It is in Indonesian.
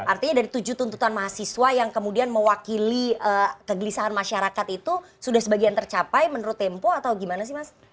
artinya dari tujuh tuntutan mahasiswa yang kemudian mewakili kegelisahan masyarakat itu sudah sebagian tercapai menurut tempo atau gimana sih mas